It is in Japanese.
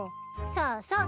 そうそう。